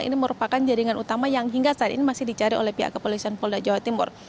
ini merupakan jaringan utama yang hingga saat ini masih dicari oleh pihak kepolisian polda jawa timur